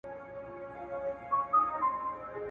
ما هابيل دئ په قابيل باندي وژلى ,